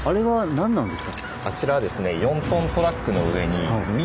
あちらはですね